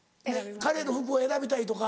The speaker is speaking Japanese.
彼の服を選びたいとか。